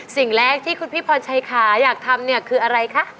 สิ่งแรกที่คุณพี่พรชัยค่ะอยากทำเนี่ยคืออะไรคะ